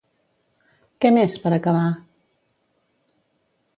Què més, per acabar?